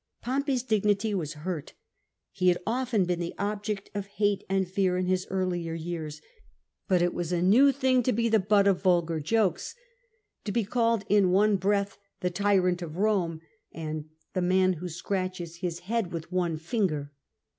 Pompey's dignity was hurt He had often been the object of hate and fear in his earlier years, but it was a new thing to be the butt of vulgar jokes — to be called in one breath the tyrant of Eome and the man who scratches his head with one finger."